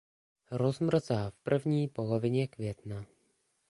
Rozmrzá v první polovině května.